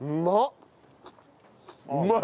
うまっ！